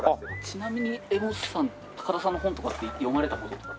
ちなみに柄本さん高田さんの本とかって読まれた事とか。